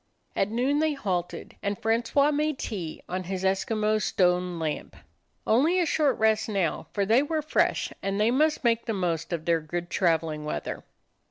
At noon they halted, and Francois made tea on his Eskimo stone lamp. Only a short rest now, for they were fresh, and they must make the most of their good traveling weather.